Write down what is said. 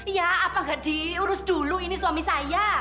iya apa nggak diurus dulu ini suami saya